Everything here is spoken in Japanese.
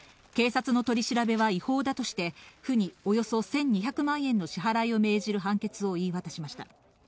警察の取り調べは違法だとして、府におよそ１２００万円の支払いを命じる判決を言い渡しました。